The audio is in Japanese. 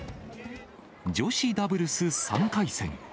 女子ダブルス３回戦。